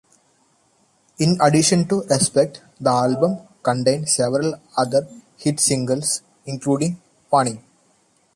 In addition to "Respect", the album contained several other hit singles including "Warning!